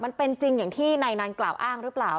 มันเป็นจริงอย่างที่นายนันกล่าวอ้างหรือเปล่า